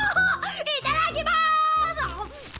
いただきます！